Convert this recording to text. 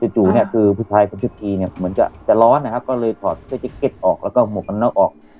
จู่เนี่ยคือผู้ชายคนชื่อทีเนี่ยเหมือนกับแต่ร้อนนะครับก็เลยถอดเซ็กเก็ตออกแล้วก็หมวกนอกออก